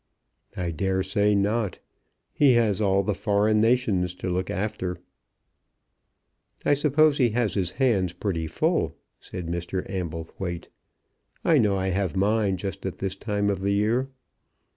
"I dare say not. He has all the foreign nations to look after." "I suppose he has his hands pretty full," said Mr. Amblethwaite. "I know I have mine just at this time of the year.